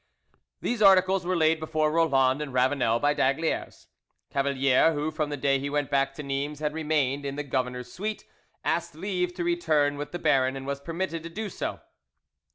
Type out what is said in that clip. These articles were laid before Roland and Ravanel by d'Aygaliers. Cavalier, who from the day he went back to Nimes had remained in the governor's suite, asked leave to return with the baron, and was permitted to do so.